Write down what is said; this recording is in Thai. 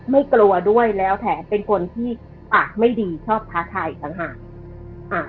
ไม่กลัวด้วยแล้วแถมเป็นคนที่ปากไม่ดีชอบท้าทายอีกต่างหาก